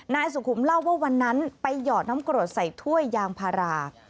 นายสุขุมเล่าว่าวันนั้นไปหยอดน้ำกรดใส่ถ้วยยางพารา